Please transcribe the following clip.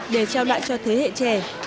để trao lại cho thế hệ trẻ